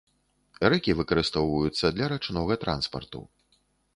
Рэкі выкарыстоўваюцца для рачнога транспарту.